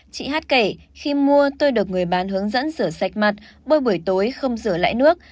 chị hát kể khi mua tôi được người bán hướng dẫn rửa sạch mặt bơi buổi tối không rửa lại nước